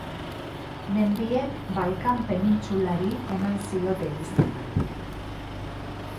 Mendiek Balkan penintsulari eman zioten izena.